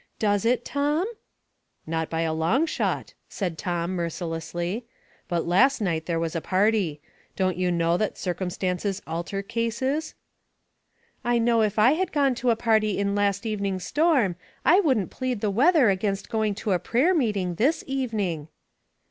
Does it, Tom ?"" Not by a long shot," said Tom, mercilessly. "But last night there was a party. Don't you know that circumstances alter cases? "" I know if I had gone to a party in last even ing's storm I wouldn't plead the weather against going to a prayer meeting this evening."